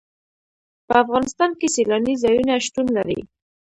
په افغانستان کې سیلانی ځایونه شتون لري.